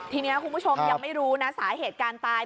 ทีนี้คุณผู้ชมยังไม่รู้นะสาเหตุการณ์ตาย